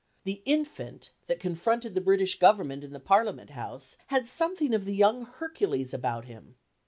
The infant, that confronted the British Government in the Parliament House, had something of the young Hercules about him.